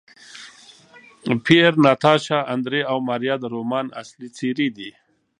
پییر، ناتاشا، اندرې او ماریا د رومان اصلي څېرې دي.